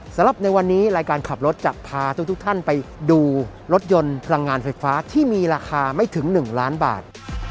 สำหรับในวันนี้รายการขับรถจะพาทุกท่านไปดูรถยนต์พลังงานไฟฟ้าที่มีราคาไม่ถึง๑ล้านบาท